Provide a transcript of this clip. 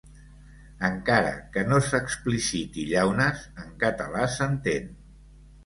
Encara que no s'expliciti llaunes, en català s'entén.